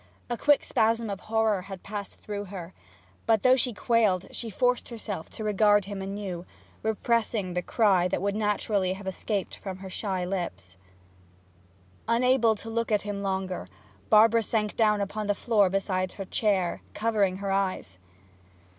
A quick spasm of horror had passed through her; but though she quailed she forced herself to regard him anew, repressing the cry that would naturally have escaped from her ashy lips. Unable to look at him longer, Barbara sank down on the floor beside her chair, covering her eyes.